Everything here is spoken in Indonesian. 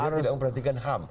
dia tidak memperhatikan ham